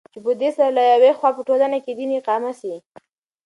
چې پدي سره له يوې خوا په ټولنه كې دين اقامه سي